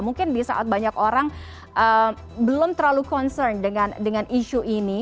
mungkin di saat banyak orang belum terlalu concern dengan isu ini